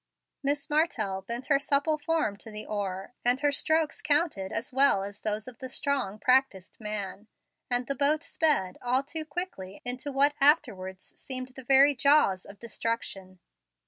Miss Martell bent her supple form to the oar, and her strokes counted as well as those of the strong, practised man; and the boat sped, all too quickly, into what afterwards seemed the very jaws of destruction.